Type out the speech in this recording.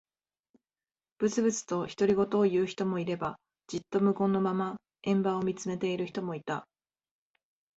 ぶつぶつと独り言を言う人もいれば、じっと無言のまま円盤を見つめている人もいた。